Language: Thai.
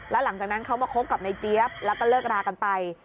แล้วหลังจากนั้นเขามาคบกับนายเจี๊ยบแล้วก็เลิกรากันไป